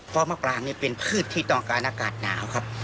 เพราะมะปรางนี่เป็นพืชที่ต้องการอากาศหนาวครับ